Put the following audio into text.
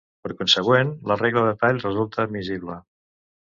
Per consegüent, la regla de tall resulta admissible.